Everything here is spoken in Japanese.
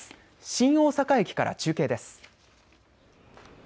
新大阪駅から中継です。